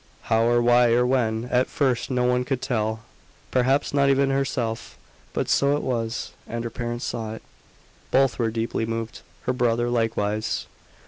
How, or why, or when, at first no one could tell perhaps not even herself; but so it was, and her parents saw it. Both were deeply moved her brother likewise.